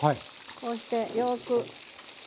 こうしてよく。